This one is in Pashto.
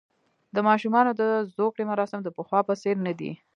د ماشومانو د زوکړې مراسم د پخوا په څېر نه دي.